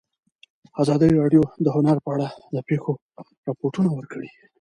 ازادي راډیو د هنر په اړه د پېښو رپوټونه ورکړي.